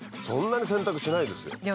そんなに洗濯しないですよ。